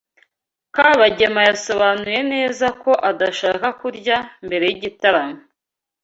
Kabagema yasobanuye neza ko adashaka kurya mbere y’igitaramo.